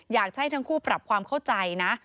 อยากให้ทั้งคู่ปรับความเข้าใจนะ